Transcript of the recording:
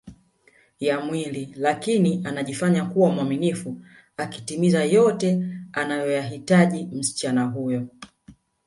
ya mwili lakini anajifanya kuwa mwaminifu akitimiza yote anayoyahitaji msichana huyo